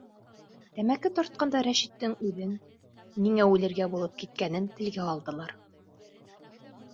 Тәмәке тартҡанда Рәшиттең үҙен, ниңә үлергә булып киткәнен телгә алдылар.